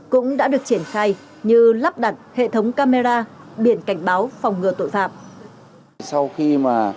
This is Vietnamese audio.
cũng đã được triển khai như lắp đặt hệ thống camera biển cảnh báo phòng ngừa tội phạm